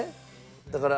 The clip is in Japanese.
だから